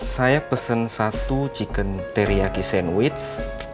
saya pesen satu chicken teriyaki sandwich